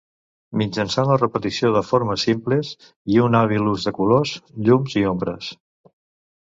Mitjançant la repetició de formes simples i un hàbil ús de colors, llums i ombres.